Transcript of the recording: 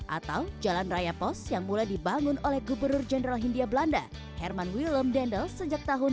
atau jalan raya pos yang mulai dibangun oleh gubernur jenderal hindia belanda herman willem dendels sejak tahun seribu delapan ratus delapan